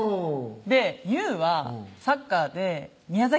で雄はサッカーで宮崎